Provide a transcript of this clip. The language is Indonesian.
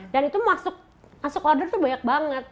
dan itu masuk order tuh banyak banget